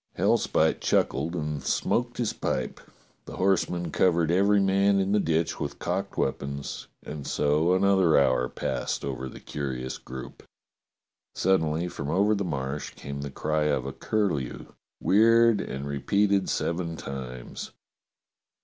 Hellspite chuckled and smoked his pipe, the horsemen covered every man in the ditch with cocked weapons, and so another hour passed over the curious group. Suddenly from over the Marsh came the cry of a curlew, weird and repeated seven times.